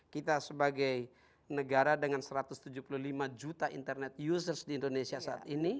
kita sebagai negara dengan satu ratus tujuh puluh lima juta internet users di indonesia saat ini